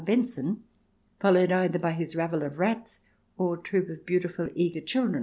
Benson, followed either by his rabble of rats or troop of beautiful eager children.